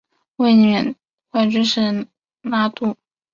卫冕冠军是拿度。